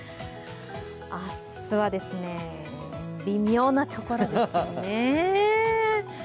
明日は微妙なところですね。